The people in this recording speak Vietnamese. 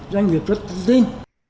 doanh nghiệp rất là tin